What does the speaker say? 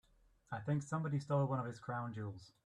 I think somebody stole one of his crown jewels.